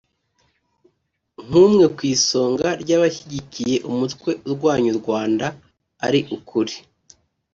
nk’umwe ku isonga ry’abashyigikiye umutwe urwanya u Rwanda ari ukuri